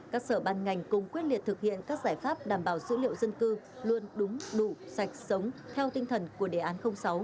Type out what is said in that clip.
cửa bàn ngành cùng quyết liệt thực hiện các giải pháp đảm bảo dữ liệu dân cư luôn đúng đủ sạch sống theo tinh thần của đề án sáu